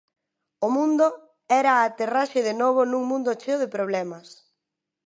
'O Mundo' era a aterraxe de novo nun mundo cheo de problemas.